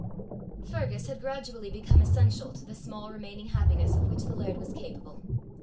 Fergus had gradually become essential to the small remaining happiness of which the laird was capable.